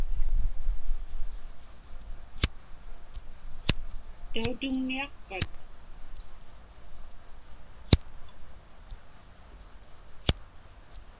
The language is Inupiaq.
Tautuŋniaqpat?